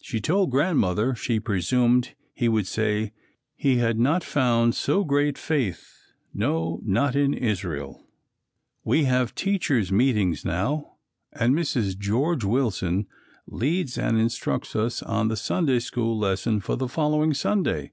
She told Grandmother she presumed he would say "he had not found so great faith, no not in Israel." We have Teachers' meetings now and Mrs. George Wilson leads and instructs us on the Sunday School lesson for the following Sunday.